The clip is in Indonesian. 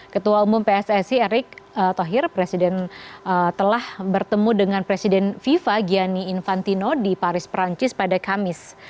ketua umum pssi erick thohir presiden telah bertemu dengan presiden fifa gianni infantino di paris perancis pada kamis